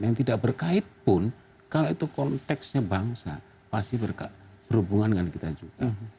yang tidak berkait pun kalau itu konteksnya bangsa pasti berhubungan dengan kita juga